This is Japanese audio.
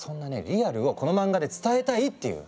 リアルをこの漫画で伝えたいっていう。